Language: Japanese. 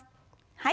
はい。